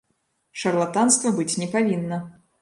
Шарлатанства быць не павінна.